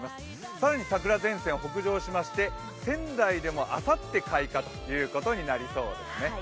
更に桜前線は北上しまして仙台でもあさって開花ということになりそうですね。